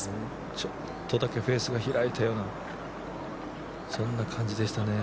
ちょっとだけフェースが開いたような感じでしたね。